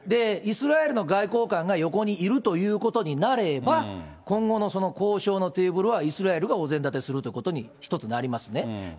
イスラエルの外交官が横にいるということになれば、今後の交渉のテーブルはイスラエルがおぜん立てするということに、一つなりますね。